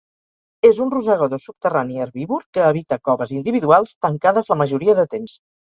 És un rosegador subterrani herbívor que habita coves individuals, tancades la majoria de temps.